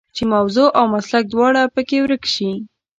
چې موضوع او مسلک دواړه په کې ورک شي.